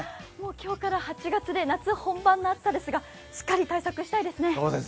今日から８月で夏本番の暑さですがしっかり対策したいですね。